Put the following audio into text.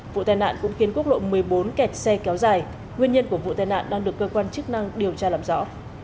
vụ tai nạn cũng khiến quốc lộ một mươi bốn kẹt xe kéo dài nguyên nhân của vụ tai nạn đang được cơ quan chức năng điều tra làm rõ